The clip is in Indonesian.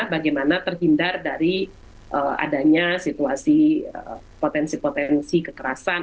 bagaimana terhindar dari adanya situasi potensi potensi kekerasan